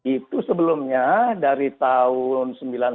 itu sebelumnya dari tahun